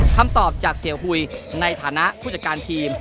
คำตอบจากเสียหุยในฐานะผู้จัดการทีม